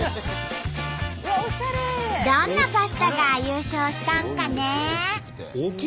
どんなパスタが優勝したんかね？